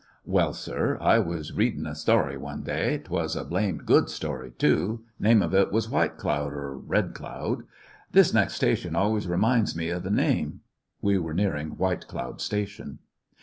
"Well, sir, I was readin' a story one day— 't was a blamed good story, too 5 name of it was ^ White Cloud' or ^Ked aoud.' This next station always reminds me of the name." (We were nearing White Cloud station.)